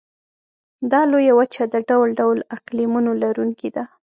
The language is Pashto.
دا لویه وچه د ډول ډول اقلیمونو لرونکې ده.